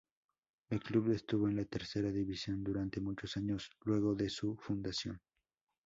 El club estuvo en la tercera división durante muchos años luego de su fundación.